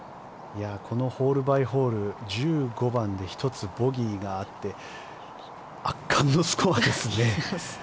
このホールバイホール１５番で１つボギーがあって圧巻のスコアですね。